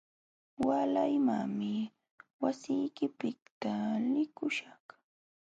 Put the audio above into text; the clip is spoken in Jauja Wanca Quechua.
Waalaymanmi wasiykipiqta likuśhaq.